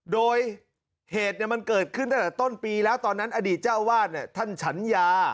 โดยเหตุมันเกิดขึ้นตั้งแต่ต้นปีแล้วตอนนั้นอดีตเจ้าวาดท่านฉันยา